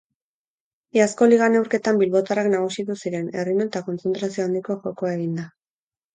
Iazko liga neurketan bilbotarrak nagusitu ziren, erritmo eta kontzentrazio handiko jokoa eginda.